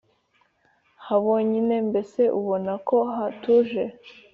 habonyine mbese ubona ko hatuje.